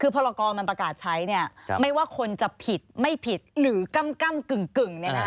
พลกรมันประกาศใช้เนี่ยไม่ว่าคนจะผิดไม่ผิดหรือกำกำกึ่ง